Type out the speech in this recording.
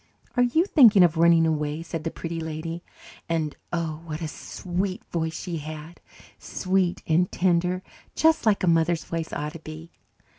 "Are you thinking of running away?" said the Pretty Lady, and, oh, what a sweet voice she had sweet and tender, just like a mother's voice ought to be!